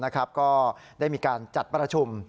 ก็ได้มีการจัดประชุม